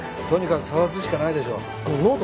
とにかく捜すしかないでしょう。